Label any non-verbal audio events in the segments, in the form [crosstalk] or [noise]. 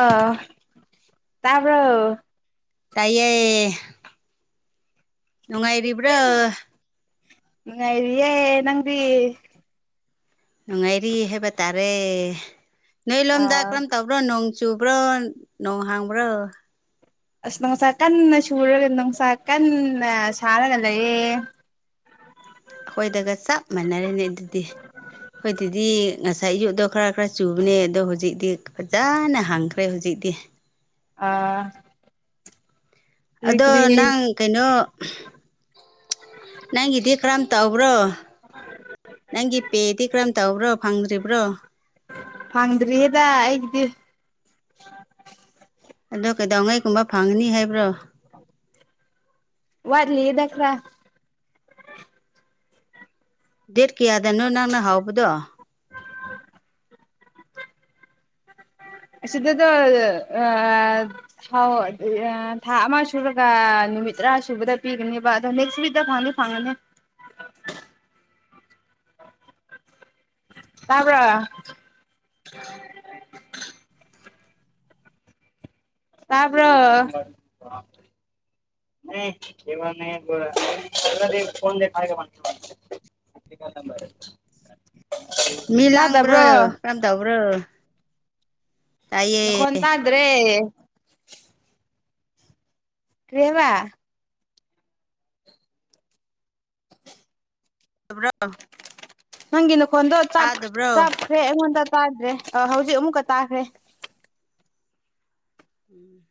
ꯑ ꯇꯕꯔꯣ ꯇꯥꯏꯌꯦ ꯅꯨꯡꯉꯥꯏꯔꯤꯕ꯭ꯔꯥ ꯎ ꯉꯥꯏꯔꯤꯌꯦ ꯅꯪꯗꯤ ꯅꯨꯡꯉꯥꯏꯔꯤ ꯍꯥꯏꯕ ꯇꯥꯔꯦ ꯅꯣꯏ ꯂꯣꯝꯗ ꯑꯥ ꯀꯔꯝ ꯇꯧ ꯕ꯭ꯔꯣ ꯅꯣꯡ ꯆꯨꯕ꯭ꯔꯣ ꯅꯣꯡ ꯍꯥꯡꯕ꯭ꯔꯣ ꯑꯁ ꯅꯨꯡꯁꯥ ꯀꯟꯅ ꯁꯨꯔꯒ ꯅꯨꯡꯁꯥ ꯀꯟꯅ ꯁꯥꯔꯒ ꯂꯩꯌꯦ ꯑꯩꯈꯣꯏꯗꯒ ꯆꯞ ꯃꯥꯟꯅꯔꯦꯅꯦ ꯑꯗꯨꯗꯤ ꯍꯣꯏ ꯑꯗꯨꯗꯤ ꯉꯁꯥꯏ ꯑꯌꯨꯛꯗꯣ ꯈꯔ ꯈꯔ ꯆꯨꯕꯅꯦ ꯑꯗꯣ ꯍꯧꯖꯤꯛꯇꯤ ꯐꯖꯅ ꯍꯪꯈ꯭ꯔꯦ ꯍꯧꯖꯤꯛꯇꯤ ꯑꯥ ꯀꯔꯤ ꯑꯗꯣ ꯀꯔꯤ ꯅꯪ ꯀꯩꯅꯣ ꯅꯪꯒꯤꯗꯤ ꯀꯔꯝ ꯇꯥꯎꯕ꯭ꯔꯣ ꯅꯪꯒꯤ ꯄꯦꯗꯤ ꯀꯔꯝ ꯇꯧꯕ꯭ꯔꯣ ꯐꯪꯗ꯭ꯔꯤꯕ꯭ꯔꯣ ꯐꯪꯗ꯭ꯔꯤꯌꯦꯗ ꯑꯩꯒꯤꯗꯤ ꯑꯗꯣ ꯀꯩꯗꯧꯉꯩꯒꯨꯝꯕ ꯐꯪꯉꯅꯤ ꯍꯥꯏꯕ꯭ꯔꯣ ꯋꯥꯠꯂꯤ ꯏꯗ ꯈ꯭ꯔꯥ ꯗꯦꯠ ꯀꯌꯥꯗꯅꯣ ꯅꯪꯅ ꯍꯥꯎꯕꯗꯣ ꯁꯤꯗꯗꯣ ꯑ ꯍꯥꯎ ꯑꯗꯨ ꯊꯥ ꯑꯃ ꯁꯨꯔꯒ ꯅꯨꯃꯤꯠ ꯇꯔꯥ ꯁꯨꯕꯗ ꯄꯤꯒꯅꯦꯕ ꯑꯗꯣ ꯅꯦꯛꯁ ꯋꯤꯛꯇ ꯐꯪꯗ ꯐꯪꯉꯅꯤ ꯇꯥꯕ꯭ꯔꯣ ꯇꯕꯔꯣ [unintelligible] [unintelligible] ꯃꯤ ꯂꯥꯡꯕ꯭ꯔꯣ ꯇꯥꯗꯕ꯭ꯔꯣ ꯀꯝ ꯇꯧꯕ꯭ꯔꯣ ꯇꯥꯏꯌꯦ ꯅꯈꯣꯟ ꯇꯥꯗ꯭ꯔꯦ ꯀꯔꯤ ꯍꯥꯏꯕꯥ [unintelligible] ꯅꯪꯒꯤ ꯅꯈꯣꯟꯗꯣ ꯆꯥꯞ ꯇꯥꯗꯕ꯭ꯔꯣ ꯆꯥꯈ꯭ꯔꯦ ꯑꯩꯉꯣꯟꯗ ꯇꯥꯗ꯭ꯔꯦ ꯑ ꯍꯧꯖꯤꯛ ꯑꯃꯨꯛꯀ ꯇꯥꯈ꯭ꯔꯦ ꯎꯝ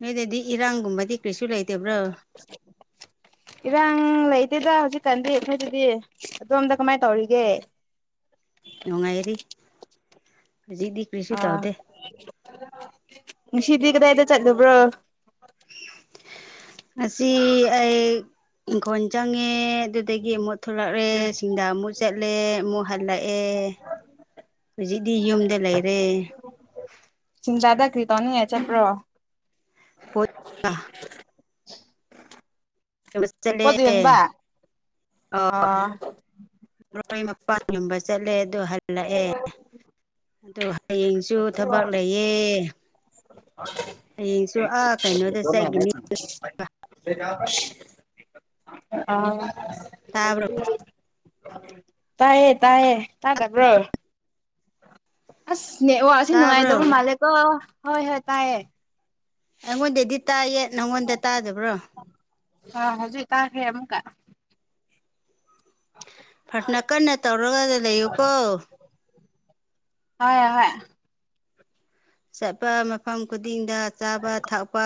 ꯅꯣꯏꯗꯗꯤ ꯏꯔꯥꯡꯒꯨꯝꯕꯗꯤ ꯀꯩꯁꯨ ꯂꯩꯇꯕ꯭ꯔꯣ [inaudible] ꯏꯔꯥꯡ ꯂꯩꯇꯦꯗ ꯍꯧꯖꯤꯛꯀꯥꯟꯗꯤ ꯑꯩꯈꯣꯏꯗꯗꯤ ꯑꯗꯣꯝꯗ ꯀꯃꯥꯏꯅ ꯇꯧꯔꯤꯒꯦ ꯅꯨꯡꯉꯥꯏꯔꯤ ꯍꯨꯖꯤꯛꯗꯤ ꯑꯥ ꯉꯅꯨꯡꯁꯤꯗꯤ ꯀꯗꯥꯏꯗ ꯆꯠꯂꯨꯕ꯭ꯔꯣ ꯉꯁꯤ ꯑꯩ ꯏꯪꯈꯣꯜ ꯆꯪꯉꯦ ꯑꯗꯨꯗꯒꯤ ꯑꯃꯨꯠ ꯊꯂꯛꯑꯦ ꯁꯤꯡꯗ ꯑꯃꯨꯠ ꯆꯠꯂꯦ ꯑꯃꯨꯛ ꯍꯜꯂꯛꯑꯦ ꯍꯧꯖꯤꯛꯇꯤ ꯌꯨꯝꯗ ꯂꯩꯔꯦ ꯁꯤꯡꯗꯥꯗ ꯀ꯭ꯔꯤ ꯇꯧꯅꯤꯡꯉꯥꯏ ꯆꯠꯄ꯭ꯔꯣ ꯑꯥ ꯄꯣꯠ ꯌꯣꯟꯕ ꯑꯥ [unintelligible] ꯃꯔꯣꯏ ꯃꯄꯥꯡ ꯌꫭꯟꯕ ꯆꯠꯂꯦ ꯑꯗꯨ ꯍꯜꯂꯛꯑꯦ ꯑꯗꯨ ꯍꯌꯦꯡ ꯁꯨ ꯊꯕꯛ ꯂꯩꯌꯦ ꯍꯌꯦꯡꯁꯨ ꯑ ꯇꯥꯕ꯭ꯔꯣ [unintelligible] ꯇꯌꯦ ꯇꯥꯏꯌꯦ ꯇꯥꯗꯕ꯭ꯔꯣ ꯑꯁꯅꯦ ꯋꯥꯛ ꯑꯁꯤ ꯇꯥꯕ꯭ꯔꯣ ꯅꯨꯡꯉꯥꯏꯗꯕ ꯃꯥꯜꯂꯦꯀꯣ ꯍꯣꯏ ꯍꯣꯏ ꯇꯥꯏꯌꯦ ꯑꯩꯉꯣꯟꯗꯩꯗꯤ ꯇꯥꯏꯌꯦ ꯅꯪꯉꯣꯟꯗ ꯇꯥꯗꯕ꯭ꯔꯣ ꯑ ꯍꯧꯖꯤꯛ ꯇꯥꯈ꯭ꯔꯦ ꯑꯃꯨꯛꯀ ꯐ꯭ꯔꯥꯊꯅ ꯀꯟꯅ ꯇꯧꯔꯒ ꯂꯩꯌꯨꯀꯣ ꯍꫭꯏ ꯍꫭꯏ ꯆꯠꯄ ꯃꯐꯝ ꯈꯨꯗꯤꯡꯗ ꯆꯥꯕ ꯊꯛꯄ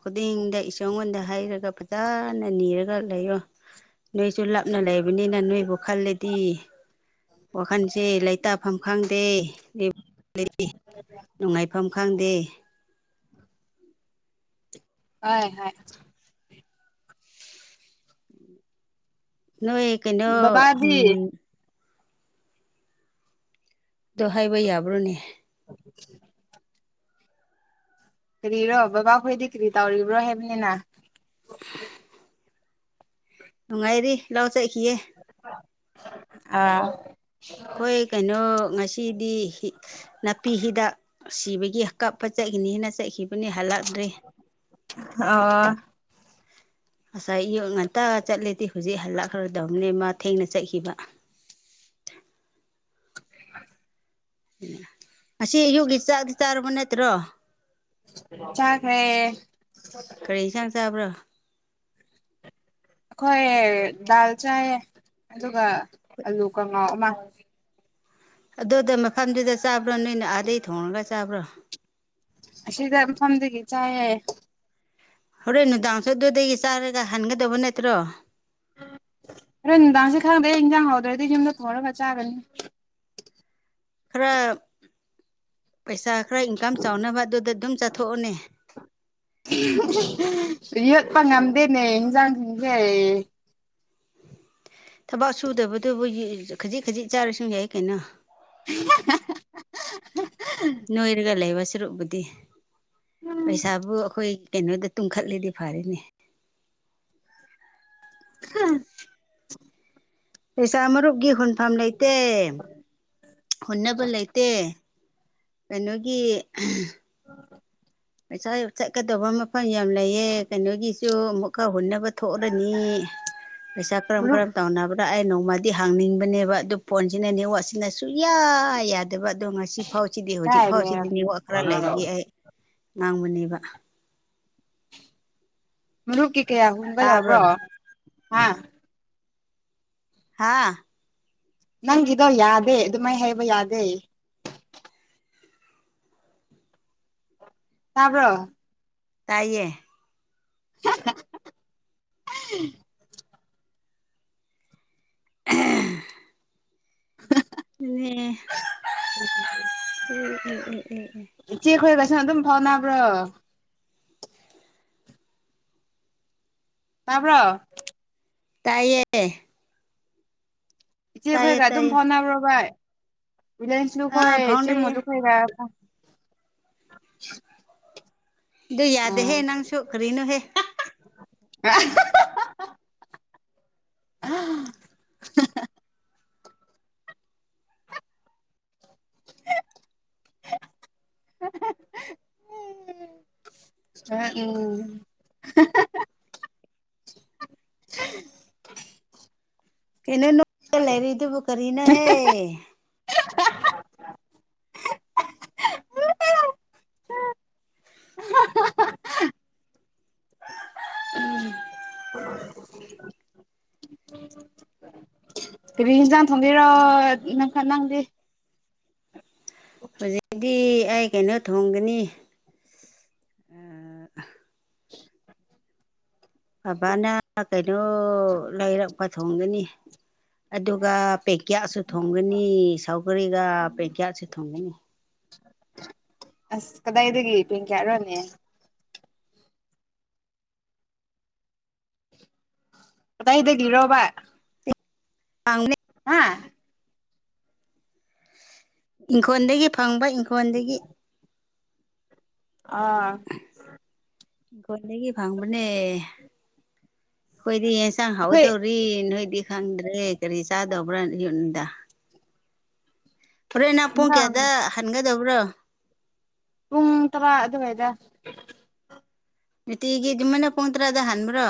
ꯈꯨꯗꯤꯡꯗ ꯏꯁꫭꫪꯉꯣꯟꯗ ꯍꯩꯔꯒ ꯐꯖꯅ ꯅꯤꯔꯒ ꯈꯔ ꯂꯩꯌꯣ ꯅꯣꯏꯁꯨ ꯂꯥꯞꯅ ꯂꯩꯕꯅꯤꯅ ꯅꯣꯏꯕꯨ ꯈꯜꯂꯗꯤ ꯋꯥꯈꯟꯁꯦ ꯂꯩꯇꯥꯐꯝ ꯈꯪꯗꯦ [unintelligible] ꯅꯨꯡꯉꯥꯏꯐꯝ ꯈꯪꯗꯦ [inaudible] ꯍꯣꯏ ꯍꯣꯏ ꯅꫭꯏ ꯀꯩꯅꯣ ꯕꯕꯥꯗꯤ ꯎꯝ ꯗꫭ ꯍꯥꯏꯕ ꯌꯥꯕ꯭ꯔꯣꯅꯦ [unintelligible] ꯀꯔꯤꯔꯣ ꯕꯕꯥꯈꯣꯏꯗꯤ ꯀꯔꯤ ꯇꯧꯔꯤꯕ꯭ꯔꯣ ꯍꯥꯏꯕꯅꯤꯅ ꯅꯨꯡꯉꯥꯏꯔꯤ ꯂꯥꯎ ꯆꯠꯈꯤꯌꯦ ꯑꯥ ꯑꯩꯈꯣꯏ ꯀꯩꯅꯣ ꯉꯁꯤꯗꯤ ꯍꯤ ꯅꯥꯄꯤ ꯍꯤꯗꯥꯛ ꯁꯤꯕꯒꯤ ꯀꯞꯄ ꯆꯠꯈꯤꯅꯤꯅ ꯆꯠꯈꯤꯕꯅꯤ ꯍꯜꯂꯛꯗ꯭ꯔꯤ ꯑꯣ ꯉꯁꯥꯏ ꯑꯌꯨꯛ ꯉꯟꯇꯥꯒ ꯆꯠꯂꯦꯗꯤ ꯍꯧꯖꯤꯛ ꯍꯜꯂꯛꯈ꯭ꯔꯗꯧꯅꯦ ꯃꯥ ꯊꯦꯡꯅ ꯆꯠꯈꯤꯕ [inaudible] ꯉꯁꯤ ꯑꯌꯨꯛꯀꯤ ꯆꯥꯛꯗꯤ ꯆꯥꯔꯕ ꯅꯠꯇ꯭ꯔꯣ ꯆꯥꯈ꯭ꯔꯦ ꯏꯁꯥꯡ ꯆꯥꯕ꯭ꯔꯥ ꯑꯩꯈꯣꯏ ꯗꯥꯜ ꯆꯥꯏ ꯑꯗꯨꯒ ꯑꯥꯂꯨ ꯀꯉꯥꯎ ꯑꯃ ꯑꯗꯨꯗ ꯃꯐꯝꯗꯨꯗ ꯆꯥꯕ꯭ꯔꯣ ꯅꯣꯏꯅ ꯑꯥꯗꯩ ꯊꯣꯡꯉꯒ ꯆꯥꯕ꯭ꯔꯣ ꯑꯁꯤꯗ ꯃꯐꯝꯗꯒꯤ ꯆꯥꯏꯌꯦ ꯍꯣꯔꯦꯟ ꯅꯨꯡꯗꯥꯡꯁꯨ ꯑꯗꯨꯗꯒꯤ ꯆꯥꯔꯒ ꯍꯟꯒꯗꯧꯕ ꯅꯠꯇ꯭ꯔꯣ ꯍꯣꯔꯦꯟ ꯅꯨꯡꯗꯥꯡꯁꯦ ꯈꯪꯗꯦ ꯏꯟꯖꯥꯡ ꯍꯥꯎꯗ꯭ꯔꯗꯤ ꯌꯨꯝꯗ ꯊꯣꯡꯔꯒ ꯆꯥꯒꯅꯤ ꯈꯔ ꯄꯩꯁꯥ ꯈꯔ ꯏꯟꯀꯝ ꯆꯥꯎꯅꯕ ꯑꯗꯨꯗ ꯑꯗꯨꯝ ꯆꯠꯊꯣꯛꯑꯅꯦ ꯌꯣꯠꯄ ꯉꯝꯗꯦꯅꯦ ꯏꯟꯖꯥꯡꯁꯤꯡꯁꯦ ꯊꯕꯛ ꯁꯨꯗꯕꯗꯨꯕꯨ ꯈꯥꯖꯤꯛ ꯈꯥꯖꯤꯛ ꯆꯥꯔꯁꯨ ꯌꯥꯏ ꯀꯩꯅꯣ ꯅꯣꯏꯔꯒ ꯂꯩꯕꯁꯤꯔꯣ ꯑꯗꯦ ꯄꯩꯁꯥꯕꯨ ꯑꯩꯈꯣꯏ ꯀꯩꯅꯣꯗ ꯇꯨꯝꯈꯠꯂꯤꯗꯤ ꯐꯔꯤꯅꯦ ꯍꯨꯝ ꯄꯩꯁꯥ ꯃꯔꯨꯞꯀꯤ ꯍꯨꯟꯐꯝ ꯂꯩꯇꯦ ꯍꯨꯟꯅꯕ ꯂꯩꯇꯦ ꯀꯩꯅꯣꯒꯤ ꯎꯝ ꯄꯩꯁꯥ ꯆꯠꯀꯗꯕ ꯃꯐꯝ ꯌꯥꯝ ꯂꯩꯑꯦ ꯀꯩꯅꯣꯒꯤꯁꯨ ꯑꯃꯨꯛꯀ ꯍꯨꯟꯅꯕ ꯊꯣꯛꯂꯅꯤ ꯄꯩꯁꯥ ꯀ꯭ꯔꯝ ꯃꯔꯨꯞ ꯀ꯭ꯔꯝ ꯇꯧꯅꯕ ꯑꯩ ꯅꯣꯡꯃꯗꯤ ꯍꯥꯡꯅꯤꯡꯕꯅꯦꯕ ꯑꯗꯨ ꯐꯣꯟꯁꯤꯅ ꯅꯦꯠꯋꯥꯛꯁꯤꯅ ꯁꯨꯡꯌꯥ ꯌꯥꯗꯕ ꯑꯗꯣ ꯉ ꯑꯁꯤꯐꯥꯎꯁꯤꯗꯤ ꯍꯧꯖꯤꯛ ꯀꯥꯏꯅꯦ ꯐꯥꯎꯁꯤꯗꯤ ꯅꯦꯋꯥꯛ ꯈꯔ ꯂꯩꯕꯒꯤ ꯑꯩ ꯉꯥꯡꯕꯅꯦꯕ ꯃꯔꯨꯞꯒꯤ ꯀꯌꯥ ꯍꯨꯟꯕ ꯇꯥꯕ꯭ꯔꯣ ꯌꯥꯎꯕ꯭ꯔꯣ ꯍꯥ ꯍꯥꯥ ꯅꯪꯒꯤꯗꯣ ꯌꯥꯗꯦ ꯑꯗꯨꯃꯥꯏꯅ ꯍꯥꯏꯕ ꯌꯥꯗꯦ ꯇꯥꯕ꯭ꯔꯣ ꯇꯥꯏꯌꯦ [inaudible] ꯑ [inaudible] ꯑꯦ ꯏꯆꯦ ꯈꯣꯏꯒꯁꯨ ꯑꯗꯨꯝ ꯐꯥꯎꯅꯕ꯭ꯔꯣ ꯇꯥꯕ꯭ꯔꯣ ꯇꯥꯢꯌꯦ ꯇꯥꯏꯌꯦ ꯏꯆꯦꯈꯣꯏꯒ ꯑꯗꯨꯝ ꯇꯥꯏꯌꯦ ꯐꯥꯎꯅꯕ꯭ꯔꯣ ꯚꯥꯏ ꯔꯤꯂꯥꯏꯟꯁꯁꯨꯨꯈ ꯑꯥ ꯐꯥꯎꯅꯩꯌꯦ ꯏꯆꯦꯃꯣꯂꯨ ꯈꯣꯢꯒ ꯑꯗꯨ ꯑ ꯌꯥꯗꯦꯍꯦ ꯅꯪꯁꯨ ꯀꯔꯤꯅꯣꯍꯦ ꯑ [inaudible] [inaudible] ꯑ ꯎꯝ [inaudible] ꯀꯩꯅꯣ ꯅꯣꯛꯂꯒ ꯂꯩꯔꯤꯗꯨꯕꯨ ꯀꯔꯤꯅꯣꯍꯦ [inaudible] ꯍ [inaudible] ꯀꯔꯤ ꯌꯦꯟꯖꯥꯡ ꯊꯣꯡꯗꯨꯢꯔꯣ ꯅꯪ ꯅꯪꯗꯤ ꯍꯧꯖꯤꯛꯇꯤ ꯑꯩ ꯀꯩꯅꯣ ꯊꯣꯡꯒꯅꯤ ꯕꯕꯥꯅ ꯀꯩꯅꯣ ꯂꯩꯥꯏꯔꯛꯄ ꯊꯣꯡꯒꯅꯤ ꯑꯗꯨꯒ ꯄꯦꯛꯀꯦꯌꯥꯁꯨ ꯊꯣꯡꯒꯅꯤ ꯁꯥꯎꯒꯔꯤꯒ ꯄꯦꯛꯀꯦꯌꯥꯁꯨ ꯊꯣꯡꯒꯅꯤ ꯑꯁ ꯀꯗꯥꯏꯗꯒꯤ ꯄꯦꯡꯀꯌꯥꯔꯣꯅꯦ ꯀꯗꯥꯏꯗꯒꯤꯔꯣꯕ ꯆꯥꯡ [inaudible] ꯍꯥ ꯏꯪꯈꯣꯜꯗꯒꯤ ꯐꯪꯕ ꯏꯪꯈꯣꯜꯗꯒꯤ ꯑꯥ ꯢꯟꯈꯣꯡꯗꯒꯤ ꯐꯪꯕꯅꯦ ꯑꯩꯈꯣꯏꯗꯤ ꯌꯦꯟꯆꯥꯡ ꯑꯩꯈꯣꯏ ꯍꯥꯎꯗꯧꯔꯤ ꯅꯣꯏꯗꯤ ꯈꯪꯗ꯭ꯔꯦ ꯀꯔꯤ ꯆꯥꯗꯕ꯭ꯔꯥ ꯌꯨꯝꯗ ꯍꯣꯔꯦꯟ ꯅꯪ ꯄꯨꯡ ꯏꯟꯁꯥꯡ ꯀꯌꯥꯗ ꯍꯟꯒꯗꯕ꯭ꯔꯣ ꯄꯨꯡ ꯇꯔꯥ ꯑꯗꯨꯋꯥꯏꯗ ꯅꯨꯡꯇꯤꯒꯤ ꯑꯗꯨꯃꯥꯢꯏ ꯄꯨꯡ ꯇ꯭ꯔꯥꯗ ꯍꯥꯟꯕ꯭ꯔꯣ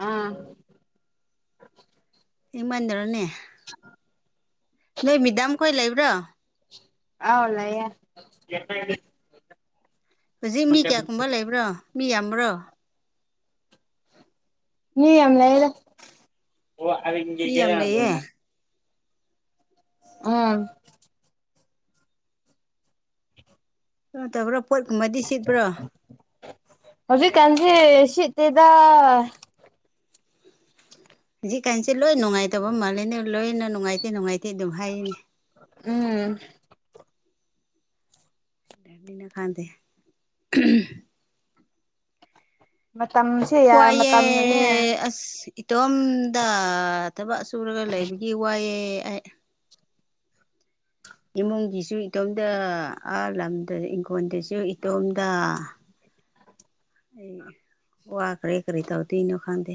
ꯎꯝ ꯏꯃꯟꯗꯔꯣꯅꯦ [inaudible] ꯅꯣꯏ ꯃꯤꯗꯥꯝꯈꯣꯏ ꯂꯩꯕ꯭ꯔꯣ ꯑꯧ ꯂꯩꯌꯦ ꯍꯧꯖꯤꯛ ꯃꯤ ꯀꯌꯥꯀꯨꯝꯕ ꯂꯩꯕ꯭ꯔꯣ ꯃꯤ ꯌꯥꯝꯕ꯭ꯔꯣ ꯃꯤ ꯌꯥꯝ ꯂꯩꯗꯥ ꯑꯣ ꯍꯟꯒꯤꯒꯦ ꯃꯤ ꯌꯥꯝ ꯌꯥꯕ꯭ꯔꯣ ꯂꯩꯌꯦ ꯎꯝ ꯅꯠꯇꯕ꯭ꯔꯣ ꯍꯧꯖꯤꯛ ꯀꯥꯟꯁꯤ ꯁꯤꯠꯇꯦꯗ ꯍꯧꯖꯤꯛ ꯀꯥꯟꯁꯤ ꯂꯣꯏ ꯅꯨꯡꯉꯥꯏꯇꯕ ꯃꯥꯜꯂꯦꯅꯦ ꯂꯣꯏꯅ ꯅꯨꯡꯉꯥꯏꯇꯦ ꯅꯨꯡꯉꯥꯏꯇꯦ ꯑꯗꯨꯝ ꯍꯥꯏꯔꯤꯅꯦ ꯎꯝ ꯅꯤꯅ ꯈꯥꯟꯗꯦ ꯃꯇꯝ ꯋꯥꯏꯌꯦ ꯑꯁ ꯏꯇꯣꯝꯗ ꯊꯕꯛ ꯁꯨꯔꯒ ꯂꯩꯕꯒꯤ ꯋꯥꯏꯑꯦ ꯑꯩ ꯏꯃꯨꯡꯒꯤꯁꯨ ꯏꯇꯣꯝꯗ ꯑꯥ ꯂꯝꯗ ꯏꯪꯈꯣꯟꯗꯁꯨ ꯑꯗꯨ ꯏꯇꯣꯝꯗ ꯑꯩ ꯋꯥꯒꯔꯦ ꯀꯔꯤ ꯇꯧꯗꯣꯏꯅꯣ ꯈꯪꯗꯦ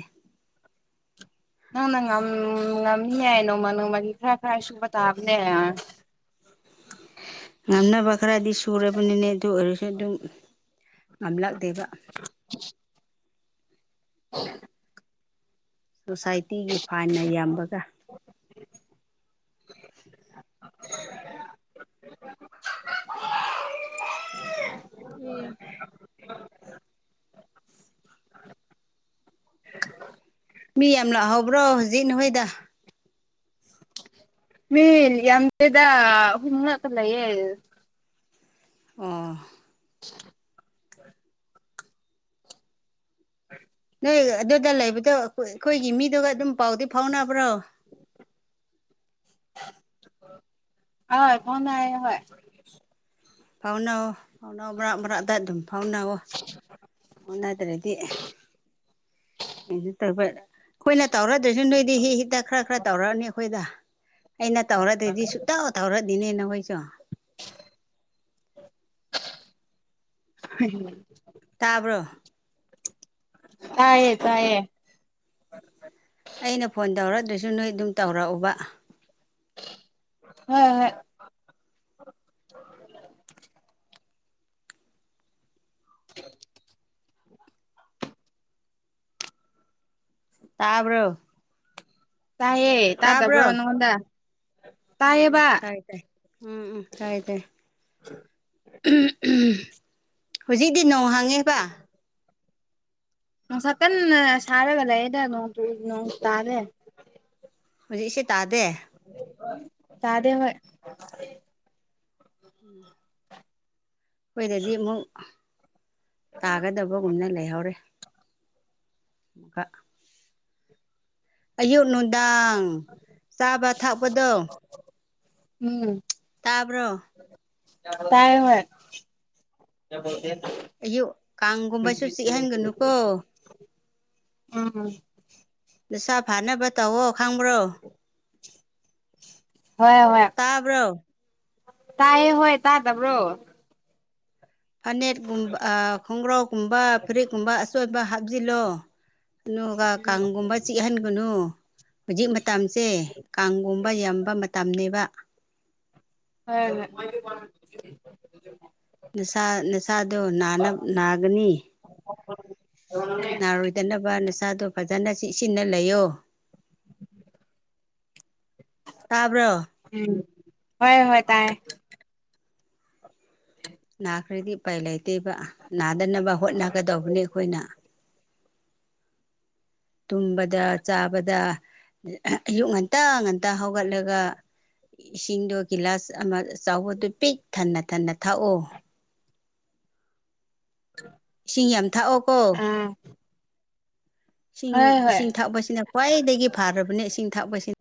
ꯅꯪꯅ ꯉꯝ ꯉꯝꯅꯤ ꯍꯥꯏ ꯅꯣꯡꯃ ꯅꯣꯡꯃꯒꯤ ꯈꯔ ꯈꯔ ꯁꯨꯕ ꯇꯥꯕꯅꯦ ꯉꯝꯅꯕ ꯈꯔꯗꯤ ꯁꯨꯔꯕꯅꯤꯅꯦ ꯑꯗꯨ ꯑꯣꯏꯔ ꯑꯗꯨꯝ ꯉꯝꯂꯛꯇꯦꯕ [inaudible] ꯁꯣꯁꯥꯏꯇꯤꯒꯤ ꯐꯥꯏꯟꯅ ꯌꯥꯝꯕꯒ [inaudible] ꯃꯤ ꯌꯥꯝ ꯂꯥꯛꯍꯧꯕ꯭ꯔꯣ ꯍꯧꯖꯤꯛ ꯅꯈꯣꯏꯗ ꯃꯤꯜ ꯌꯥꯝꯗꯦꯗ ꯑꯍꯨꯝ ꯉꯥꯛꯇ ꯂꯩꯌꯦ ꯑꯣꯥ [inaudible] ꯅꯣꯏ ꯑꯗꯨꯗ ꯂꯩꯕꯗꯣ ꯑꯩꯈꯣꯏꯒꯤ ꯃꯤꯗꯨꯒ ꯑꯗꯨꯝ ꯄꯥꯎꯗꯤ ꯐꯥꯎꯅꯕ꯭ꯔꯣ ꯑꯣꯏ ꯐꯥꯎꯅꯩ ꯍꯣꯢ ꯐꯥꯎꯅꯧ ꯐꯥꯎꯅꯧ ꯃꯔꯛ ꯃꯔꯛꯗ ꯑꯗꯨꯝ ꯐꯥꯎꯅꯧ ꯐꯥꯎꯅꯗ꯭ꯔꯗꯤ ꯀꯩꯁꯨ ꯇꯧꯕ ꯑꯩꯈꯣꯏꯅ ꯇꯧꯔꯗ꯭ꯔꯁꯨ ꯅꯣꯏꯗꯤ ꯍꯤ ꯍꯤꯛꯇ ꯈꯔ ꯈꯔ ꯇꯧꯔꯛꯑꯅꯤ ꯑꯩꯈꯣꯏꯗ ꯑꯩꯅ ꯇꯧꯔꯗ꯭ꯔꯗꯤ ꯁꯨꯛꯇꯧ ꯇꯧꯔꯗꯤꯅꯦ ꯅꯈꯣꯏꯁꯨ ꯍꯩꯌꯦ ꯇꯥꯕ꯭ꯔꯣ ꯇꯥꯏꯌꯦ ꯇꯥꯏꯌꯦ ꯑꯩꯅ ꯐꯣꯟ ꯇꯧꯔꯗ꯭ꯔꯁꯨ ꯅꯣꯏ ꯑꯗꯨꯝ ꯇꯧꯔꯛꯎꯕ ꯍꯣꯏ ꯍꯣꯏ [inaudible] ꯇꯥꯕ꯭ꯔꯣ ꯇꯥꯏꯌꯦ ꯇꯥꯕ꯭ꯔꯣ ꯇꯥꯗꯕ꯭ꯔꯣ ꯅꯪꯉꯣꯟꯗ ꯎꯝ ꯎꯝ ꯇꯥꯏꯌꯦꯕ ꯇꯥꯏ ꯇꯥꯏ ꯎꯝ ꯎꯝ ꯇꯥꯏꯌꯦ ꯇꯥꯏꯌꯦ ꯍꯧꯖꯤꯛꯤ ꯅꯣꯡ ꯍꯥꯡꯉꯦꯕ ꯅꯨꯡꯁꯥ ꯀꯟꯅ ꯁꯥꯔꯒ ꯂꯩꯌꯦꯗ ꯅꯣꯡ ꯆꯨꯏ ꯅꯣꯡ ꯇꯥꯗꯦ ꯍꯧꯖꯤꯛꯁꯦ ꯇꯥꯗꯦ ꯇꯥꯗꯦ ꯍꯣꯏ ꯎꯝ ꯑꯩꯈꯣꯏꯗꯗꯤ ꯑꯃꯨꯛ ꯇꯥꯒꯗꯕꯒꯨꯝꯅ ꯂꯩꯍꯧꯔꯦ ꯕ ꯑꯌꯨꯛ ꯅꯨꯡꯗꯥꯡ ꯆꯥꯕ ꯊꯛꯄꯗꯣ ꯎꯝ ꯇꯥꯕ꯭ꯔꯣ ꯇꯥꯏ ꯍꯣꯏ ꯑꯌꯨꯛ ꯀꯥꯡꯒꯨꯝꯕꯁꯨ ꯆꯤꯛꯍꯟꯒꯅꯨꯀꯣ ꯎꯝ ꯁꯥ ꯐꯅꯕ ꯇꯧꯋꯣ ꯈꯪꯕ꯭ꯔꯣ ꯍ ꯍꯣꯏ ꯇꯥꯕ꯭ꯔꯣ ꯇꯥꯏꯌꯦ ꯍꯣꯏ ꯇꯥꯗꯕ꯭ꯔꯣ꯫ ꯐꯅꯦꯠꯀꯨꯝ ꯈꯣꯡꯒ꯭ꯔꯥꯎꯒꯨꯝꯕ ꯐꯨꯔꯤꯠꯀꯨꯝꯕ ꯑꯆꯣꯏꯕ ꯍꯥꯞꯆꯤꯜꯂꯣ꯫ ꯑꯗꯨꯒ ꯀꯥꯡꯒꯨꯝꯕ ꯆꯤꯛꯍꯟ ꯒꯅꯣ ꯍꯧꯖꯤꯛ ꯃꯇꯝꯁꯦ ꯀꯥꯡꯒꯨꯝꯕ ꯌꯥꯝꯕ ꯃꯇꯝꯅꯦꯕ꯫ ꯍꯣꯏ ꯍꯣꯏ [unintelligible] ꯅꯁꯥ ꯅꯁꯥꯗꯣ ꯅꯥꯅꯕ ꯅꯥꯒꯅꯤ ꯅꯥꯔꯣꯏ ꯗꯅꯕ ꯅꯁꯥꯗꯣ ꯐꯖꯅ ꯆꯤꯛꯁꯤꯟꯅ ꯂꯩꯌꯣ꯫ ꯇꯥꯕ꯭ꯔꯣ꯫ ꯎꯝ ꯍꯣꯏ ꯍꯣꯏ ꯇꯥꯏ ꯅꯥꯈ꯭ꯔꯗꯤ ꯎꯄꯥꯏ ꯂꯩꯇꯦꯕ ꯅꯥꯗꯅꯕ ꯍꯣꯠꯅꯒꯗꯧꯕꯅꯤ ꯑꯩꯈꯣꯏꯅ ꯇꯨꯝꯕꯗ ꯆꯥꯕꯗ ꯑꯌꯨꯛ ꯉꯟꯇꯥ ꯉꯟꯇꯥ ꯍꯧꯒꯠꯂꯒ ꯏꯁꯤꯡꯗꯣ ꯒꯤꯂꯥꯁ ꯑꯃ ꯆꯥꯎꯕꯗꯨ ꯄꯤꯛ ꯊꯟꯅ ꯊꯟꯅ ꯊꯥꯛꯑꯣ ꯏꯁꯤꯡ ꯌꯥꯝ ꯊꯥꯛꯑꯣꯀꯣ ꯑꯥ ꯏꯁꯤꯡ ꯍꯣꯏ ꯍꯣꯏ ꯏꯁꯤꯡ ꯊꯛꯄꯕꯁꯤꯅ ꯈ꯭ꯋꯥꯏꯗꯒꯤ ꯐꯔꯕꯅꯦ ꯏꯁꯤꯡ ꯊꯥꯛꯄꯕꯁꯤꯅ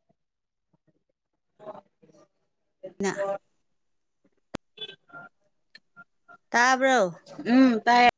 [inaudible] ꯇꯥꯕ꯭ꯔꯣ ꯎꯝ ꯇꯥꯏꯌꯦ꯫